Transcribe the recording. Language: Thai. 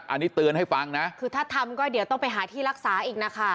อันนี้เตือนให้ฟังนะคือถ้าทำก็เดี๋ยวต้องไปหาที่รักษาอีกนะคะ